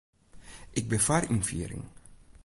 Ik bin foar ynfiering.